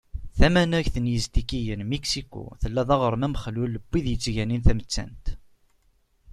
Tamaneɣt n Yiztikiyen, Miksiku, tella d aɣrem amexlul n wid yettganin tamettant.